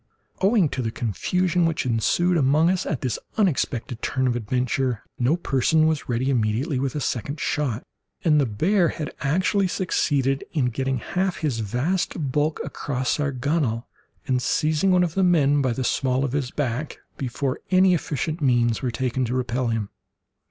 Owing to the confusion which ensued among us at this unexpected turn of the adventure, no person was ready immediately with a second shot, and the bear had actually succeeded in getting half his vast bulk across our gunwale, and seizing one of the men by the small of his back, before any efficient means were taken to repel him.